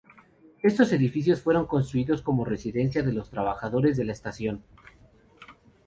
Estos edificios fueron construidos como residencia de los trabajadores de la estación.